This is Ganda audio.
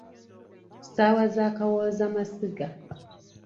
Ssaawa za kawozamasiga.